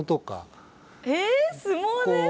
えっ相撲で！？